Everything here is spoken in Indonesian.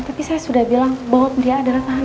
tapi saya sudah bilang bahwa dia adalah kandungan